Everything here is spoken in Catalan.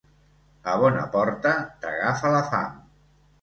A bona porta t'agafa la fam.